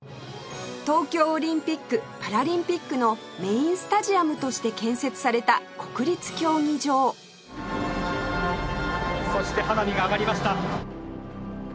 東京オリンピックパラリンピックのメインスタジアムとして建設された国立競技場そして花火が上がりました。